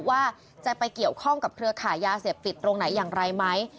ว่าจะไปเกี่ยวข้องกับเครือขายยาเสพติดตรงไหนอย่างไรไหม